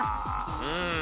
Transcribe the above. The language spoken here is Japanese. うん。